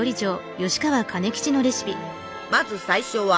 まず最初は。